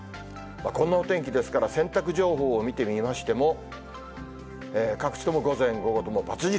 こんなお天気ですから、洗濯情報を見てみましても、各地とも午前、午後とも×印。